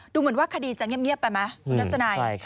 ดูเหมือนว่าคดีจะเงียบไปมั้ยคุณลักษณัย